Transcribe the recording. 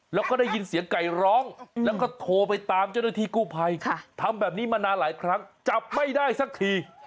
แล้วก็ได้ยินเสียงไก่ร้องแล้วก็โทรไปตามเจ้าหน้าที่กู้ภัยทำแบบนี้มานานหลายครั้งจับไม่ได้สักที